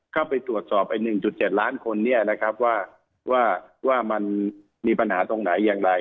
เข้าไปตรวจสอบ๑๗ล้านคนว่ามันมีปัญหาตรงไหนอย่างไร